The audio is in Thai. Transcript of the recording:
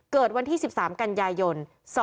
เกิดวันที่๑๓กันยายน๒๕๖